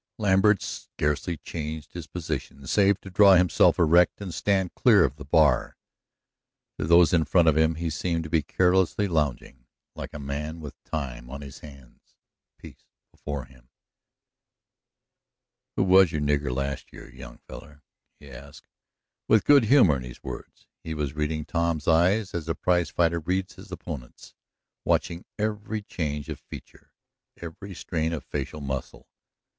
Lambert scarcely changed his position, save to draw himself erect and stand clear of the bar. To those in front of him he seemed to be carelessly lounging, like a man with time on his hands, peace before him. "Who was your nigger last year, young feller?" he asked, with good humor in his words. He was reading Tom's eyes as a prize fighter reads his opponent's, watching every change of feature, every strain of facial muscle.